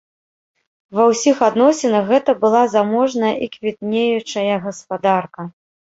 Ва ўсіх адносінах гэта была заможная і квітнеючая гаспадарка.